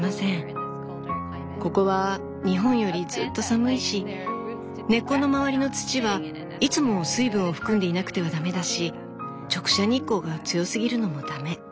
ここは日本よりずっと寒いし根っこの周りの土はいつも水分を含んでいなくては駄目だし直射日光が強すぎるのも駄目。